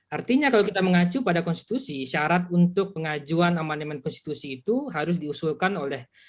artinya kalau kita mengacu pada konstitusi syarat untuk pengajuan amandemen konstitusi itu harus diusulkan oleh